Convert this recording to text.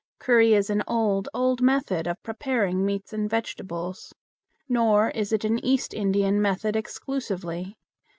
Curry is an old, old method of preparing meats and vegetables. Nor is it an East Indian method exclusively.